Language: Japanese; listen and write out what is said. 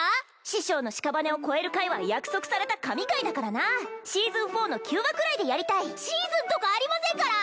師匠の屍を超える回は約束された神回だからなシーズン４の９話くらいでやりたいシーズンとかありませんから！